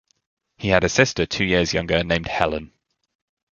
He had a sister two years younger named Helen.